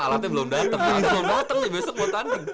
alatnya belum datang nih besok mau tanding